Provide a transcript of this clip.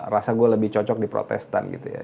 rasa gue lebih cocok di protestan gitu ya